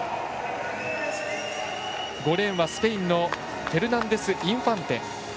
５レーンはスペインのフェルナンデスインファンテ。